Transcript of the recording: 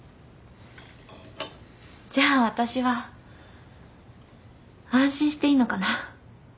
じゃあ私は安心していいのかな？